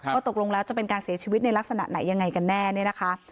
ตกลงแล้วจะเป็นการเสียชีวิตในลักษณะไหนยังไงกันแน่เนี่ยนะคะ